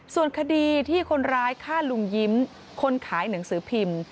ส่วนคดีที่คนร้ายฆ่าลุงยิ้มคนขายหนังสือพิมพ์